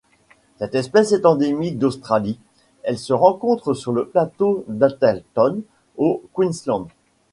Cette espèce est endémique d'Australie, elle se rencontre sur le plateau d'Atherton au Queensland.